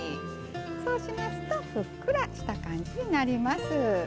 そうしますとふっくらした感じになります。